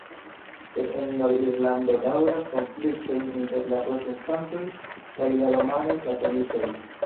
Sed en Nord-Irlando daŭras konfliktoj inter la protestantoj kaj la romaj katolikoj.